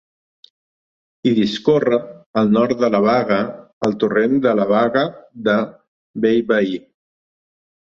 Hi discorre, al nord de la baga, el torrent de la Baga de Bellveí.